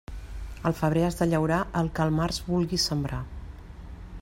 Al febrer has de llaurar, el que al març vulguis sembrar.